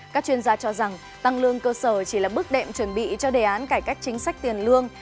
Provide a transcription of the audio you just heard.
các chuyên gia cho rằng tăng lương cơ sở chỉ là bước đệm chuẩn bị cho đề án cải cách chính sách tiền lương